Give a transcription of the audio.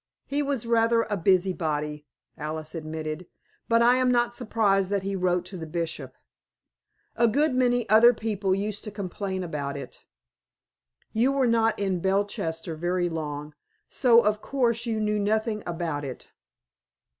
"He was rather a busybody," Alice admitted; "but I am not surprised that he wrote to the Bishop. A good many other people used to complain about it. You were not in Belchester very long, so of course you knew nothing about it."